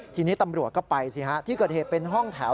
ทีนี้ตำรวจก็ไปสิฮะที่เกิดเหตุเป็นห้องแถว